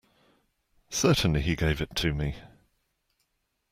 Certainly he gave it to me.